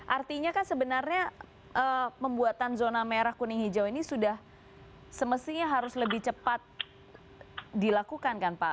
artinya kan sebenarnya pembuatan zona merah kuning hijau ini sudah semestinya harus lebih cepat dilakukan kan pak